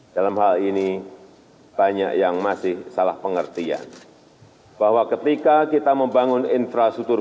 dalam hal ini banyak yang masih salah pengertian bahwa ketika kita membangun infrastruktur